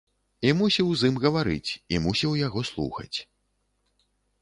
І мусіў з ім гаварыць, і мусіў яго слухаць.